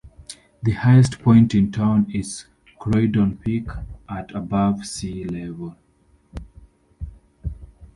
The highest point in town is Croydon Peak, at above sea level.